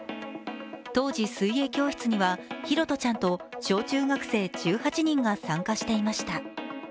当時、水泳教室には拓杜ちゃんと小中学生１８人が参加していました。